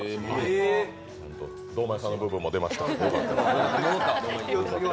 堂前さんの部分も出ました、よかった。